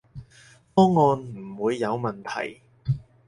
方案唔會有問題